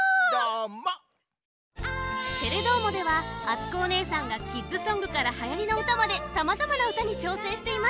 「テレどーも！」ではあつこおねえさんがキッズソングからはやりのうたまでさまざまなうたにちょうせんしています。